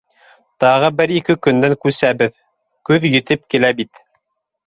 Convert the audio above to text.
Тағы бер-ике көндән күсәбеҙ, көҙ етеп килә бит...